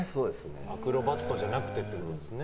アクロバットじゃなくてってことですね。